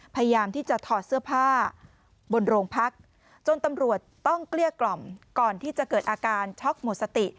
พยายามที่จะถอดเสื้อผ้าบนโรงพักจนตำรวจต้องเกลี้ยกล่อมก่อนที่จะเกิดอาการช็อกหมดสติ